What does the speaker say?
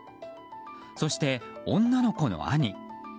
そして、女の子の兄。